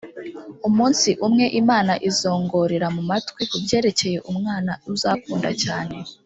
umunsi umwe, imana izongorera mu matwi kubyerekeye umwana uzakunda cyane